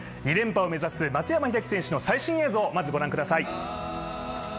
２連覇を目指す松山英樹選手の最新映像をご覧ください。